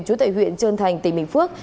chú thị huyền trơn thành tỉnh bình phước